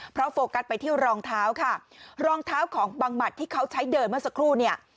เพราะโฟกัสไปที่รองเท้าค่ะรองเท้าของบังหมัดที่เขาใช้เดินเมื่อสักครู่เนี่ย